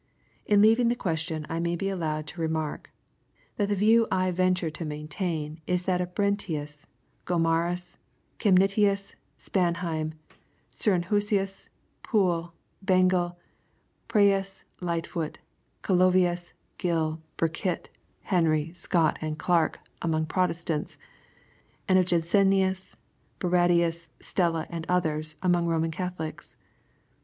In leaving the question, I may be allowed to re mark, that the view I venture to maintain is that of Brentius, Gomarus, Chemnitius, Spanheim, Surenhusius, Poole, Bengel, I^areeus, Lightfoot, Calovius, Gill, Burkitt, Henry, Scott and Clarke, among Protestants, — ^and of Jansenius, Barradius, otella, , and others, among Roman Catholics.